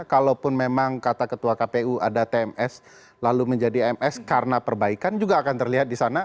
kalaupun memang kata ketua kpu ada tms lalu menjadi ms karena perbaikan juga akan terlihat di sana